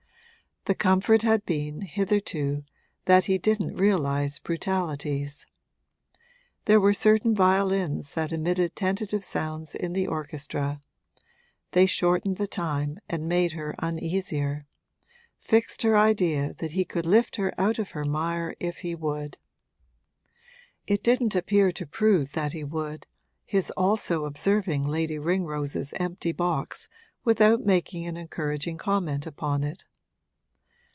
The comfort had been, hitherto, that he didn't realise brutalities. There were certain violins that emitted tentative sounds in the orchestra; they shortened the time and made her uneasier fixed her idea that he could lift her out of her mire if he would. It didn't appear to prove that he would, his also observing Lady Ringrose's empty box without making an encouraging comment upon it.